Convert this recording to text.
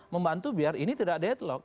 membantu biar ini tidak deadlock